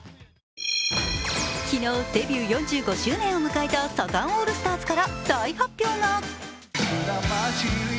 昨日、デビュー４５周年を迎えたサザンオールスターズから大発表が。